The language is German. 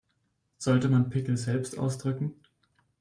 Sollte man Pickel selbst ausdrücken?